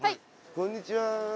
こんにちは。